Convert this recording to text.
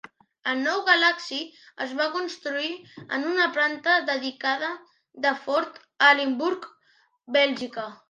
El nou Galaxy es va construir en una planta dedicada de Ford a Limburg, Bèlgica.